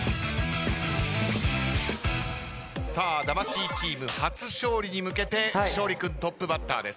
魂チーム初勝利に向けて勝利君トップバッターです。